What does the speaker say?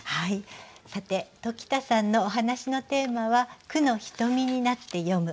さて鴇田さんのお話のテーマは「『句のひとみ』になって読む」。